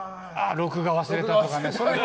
録画忘れたとかね